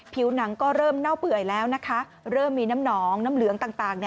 ผิวหนังก็เริ่มเน่าเปื่อยแล้วนะคะเริ่มมีน้ำหนองน้ำเหลืองต่าง